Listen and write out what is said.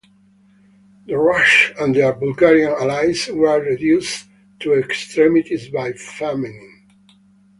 The Rus' and their Bulgarian allies were reduced to extremities by famine.